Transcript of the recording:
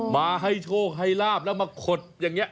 มาให้โชคให้ลาบแล้วมาขดอย่างนี้